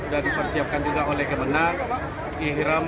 dan disiapkan juga oleh kebenar